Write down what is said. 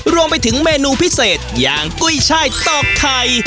รวมไปถึงเมนูพิเศษอย่างกุ้ยช่ายตอกไข่